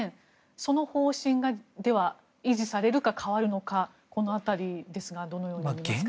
その方針では維持されるか変わるのかこの辺りですがどのように見ていますか？